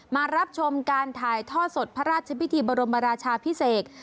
มารับชมการถ่ายท่อสดพระราชพิธีบรมราชาพิเศษ